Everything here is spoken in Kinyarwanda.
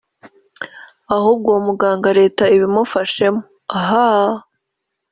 ahubwo uwo muganga leta ibimufashemo ahaaaaaa